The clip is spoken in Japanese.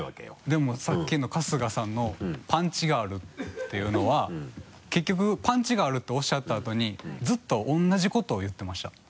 でもさっきの春日さんの「パンチがある」っていうのは結局「パンチがある」とおっしゃったあとにずっと同じことを言ってました。